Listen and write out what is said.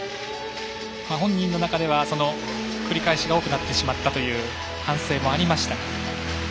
本人の中では、繰り返しが多くなってしまったという反省もありました。